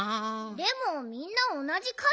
でもみんなおなじかずだよ。